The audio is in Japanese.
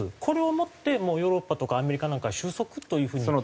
これをもってヨーロッパとかアメリカなんかは収束という風に？